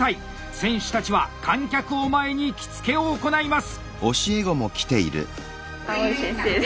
選手たちは観客を前に着付を行います！